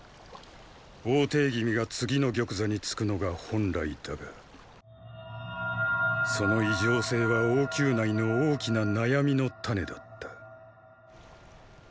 王弟君が次の玉座につくのが本来だがその異常性は王宮内の大きな悩みの種だった。